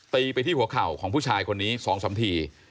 ไปที่หัวเข่าของผู้ชายคนนี้๒๓ที